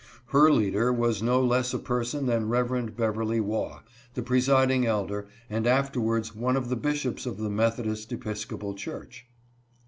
Her leader was no less a person than Rev. Beverly Waugh, the pre siding elder, and afterwards one of the bishops of the Methodist Episcopal church.